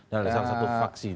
dalam salah satu vaksi